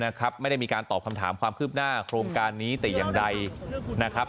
นะครับไม่ได้มีการตอบคำถามความคืบหน้าโครงการนี้แต่อย่างใดนะครับ